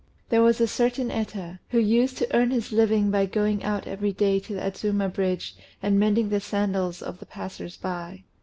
There was a certain Eta, who used to earn his living by going out every day to the Adzuma Bridge, and mending the sandals of the passers by.